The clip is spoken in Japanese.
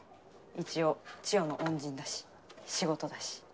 一応チヨの恩人だし仕事だし。